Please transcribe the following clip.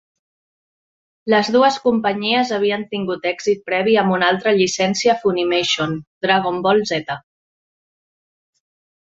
Les dues companyies havien tingut èxit previ amb una altra llicència Funimation: "Dragon Ball Z".